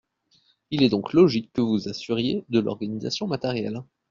Il est donc logique que vous vous assuriez de l’organisation matérielle.